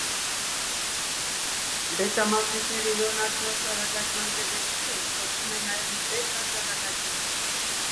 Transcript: Բետա մասնիկները իոնացնող ճառագայթման ձևերից են, կոչվում են նաև բետա ճառագայթներ։